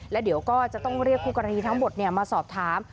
แล้วเดี๋ยวก็จะต้องเรียกคู่กรณีทั้งหมดมาสอบถาม